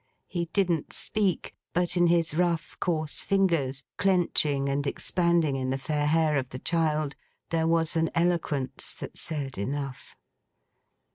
He didn't speak, but in his rough coarse fingers, clenching and expanding in the fair hair of the child, there was an eloquence that said enough.